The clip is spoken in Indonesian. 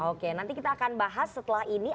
oke nanti kita akan bahas setelah ini